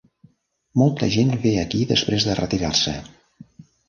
Molta gent ve aquí després de retirar-se.